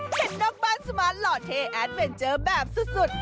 เป็นน้องบ้านสมาร์ทหล่อเทแบบสุด